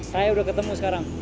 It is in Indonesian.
raya udah ketemu sekarang